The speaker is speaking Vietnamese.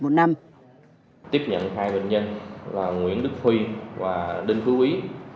tiếp nhận hai bệnh nhân là nguyễn đức huy và đinh phú ý